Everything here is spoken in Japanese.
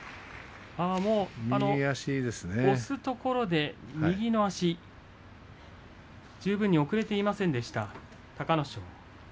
押すところで右足が十分に送れていませんでした隆の勝。